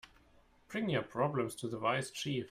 Bring your problems to the wise chief.